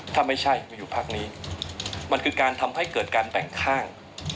ถ้าไม่ใช่มาอยู่พักนี้มันคือการทำให้เกิดการแต่งข้าง